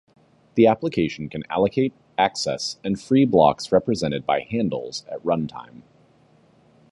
The application can allocate, access, and free blocks represented by handles at run time.